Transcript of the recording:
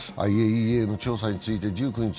ＩＡＥＡの調査について１９日